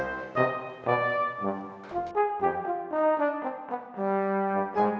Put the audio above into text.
pegel mau rebahan